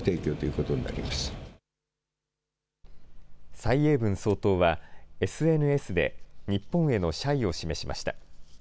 蔡英文総統は、ＳＮＳで、日本への謝意を示しました。